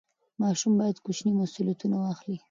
ماشوم باید کوچني مسوولیتونه واخلي.